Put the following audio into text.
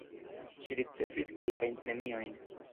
Ŝi ricevis kelkajn premiojn.